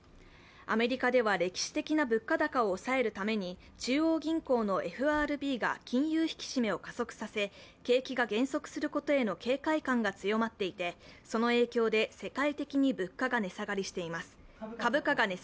アメリカでは歴史的な物価高を抑えるために中央銀行のＦＲＢが金融引き締めを加速させ景気が減速することへの警戒感が強まっていて、その影響で世界的に株価が値下がりしています。